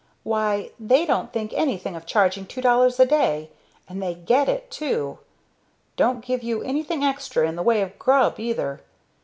Why, they don't think anything of charging two dollars a day; and they get it, too don't give you anything extra in the way of grub, either.